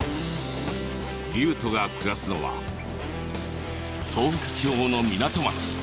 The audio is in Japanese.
りゅーとが暮らすのは東北地方の港町。